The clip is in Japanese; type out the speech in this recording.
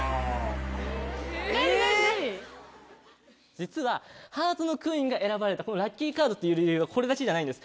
実はハートのクイーンが選ばれたラッキーカードという理由はこれだけじゃないんです。